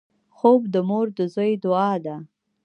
خوب د مور د زوی دعا ده